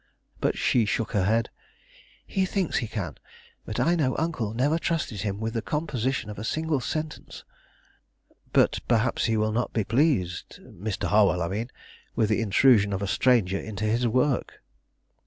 But she shook her head. "He thinks he can; but I know uncle never trusted him with the composition of a single sentence." "But perhaps he will not be pleased, Mr. Harwell, I mean with the intrusion of a stranger into his work."